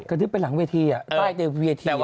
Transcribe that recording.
กระดึกไปหลังเวรมีที่